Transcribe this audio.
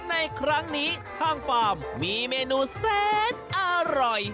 ในครั้งนี้ทางฟาร์มมีเมนูแสนอร่อย